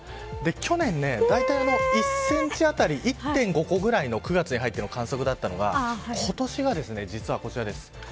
去年、だいたい１センチ当たり１．５個くらい９月に入っての観測だったのが実は今年ですね、こちらです。